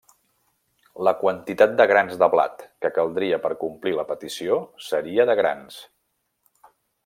La quantitat de grans de blat que caldria per complir la petició seria de grans.